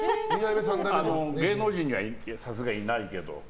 芸能人にはさすがにいないけど。